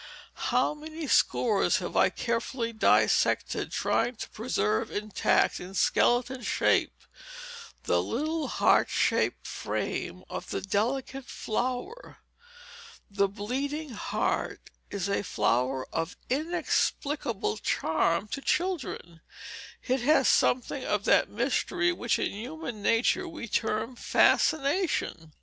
How many scores have I carefully dissected, trying to preserve intact in skeleton shape the little heart shaped "frame" of the delicate flower! The bleeding heart is a flower of inexplicable charm to children; it has something of that mystery which in human nature we term fascination.